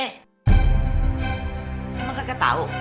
emang gak ketau